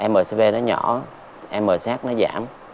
mcv nó nhỏ msh nó giảm